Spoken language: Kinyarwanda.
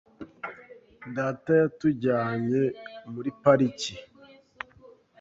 Data yatujyanye muri pariki.